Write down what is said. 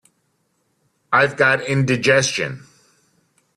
I've got indigestion.